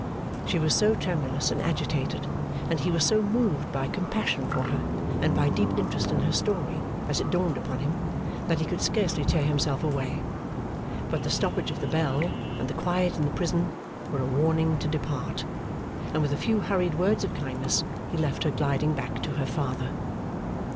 She was so tremulous and agitated, and he was so moved by compassion for her, and by deep interest in her story as it dawned upon him, that he could scarcely tear himself away. But the stoppage of the bell, and the quiet in the prison, were a warning to depart; and with a few hurried words of kindness he left her gliding back to her father.